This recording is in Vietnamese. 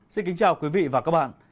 xin kính chào quý vị và các bạn